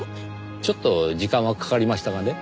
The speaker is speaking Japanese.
ちょっと時間はかかりましたがね。